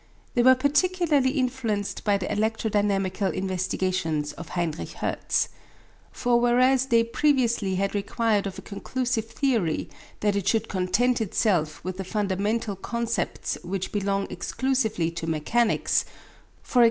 They were particularly influenced by the electro dynamical investigations of Heinrich Hertz. For whereas they previously had required of a conclusive theory that it should content itself with the fundamental concepts which belong exclusively to mechanics (e.g.